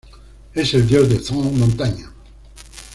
Es el dios de Zhong Montaña.